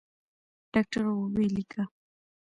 ډاکتر وويل ويې ليکه.